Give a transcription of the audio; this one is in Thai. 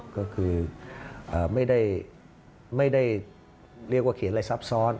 ก็คือไม่ได้เรียกว่าเขียนอะไรซับซ้อน